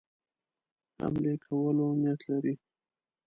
حملې کولو نیت لري.